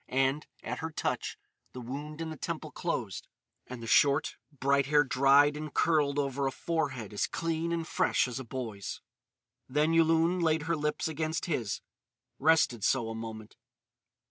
And, at her touch, the wound in the temple closed and the short, bright hair dried and curled over a forehead as clean and fresh as a boy's. Then Yulun laid her lips against his, rested so a moment.